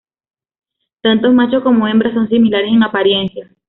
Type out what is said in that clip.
Tanto machos como hembras son similares en apariencia.